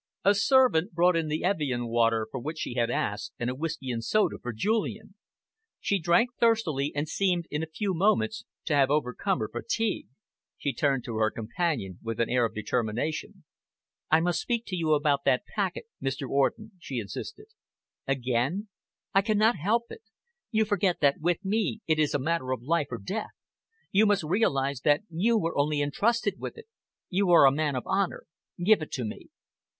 A servant brought in the Evian water for which she had asked and a whisky and soda for Julian. She drank thirstily and seemed in a few moments to have overcome her fatigue. She turned to her companion with an air of determination. "I must speak to you about that packet, Mr. Orden," she insisted. "Again?" "I cannot help it. You forget that with me it is a matter of life or death. You must realise that you were only entrusted with it. You are a man of honour. Give it to me."